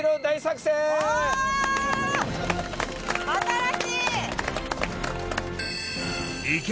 新しい！